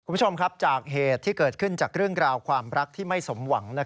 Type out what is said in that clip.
คุณผู้ชมครับจากเหตุที่เกิดขึ้นจากเรื่องราวความรักที่ไม่สมหวัง